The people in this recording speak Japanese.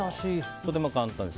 とても簡単です。